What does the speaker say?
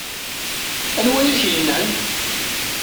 Anwa i ak-innan?